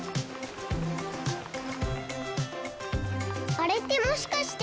あれってもしかして。